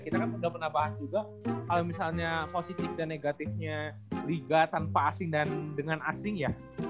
kita kan sudah pernah bahas juga kalau misalnya positif dan negatifnya liga tanpa asing dan dengan asing ya